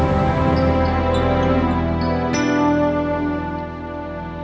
sebagai warga aku